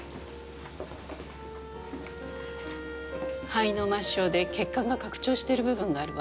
肺の末梢で血管が拡張してる部分があるわ。